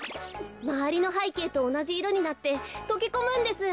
まわりのはいけいとおなじいろになってとけこむんです。